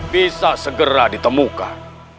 bisa segera ditemukan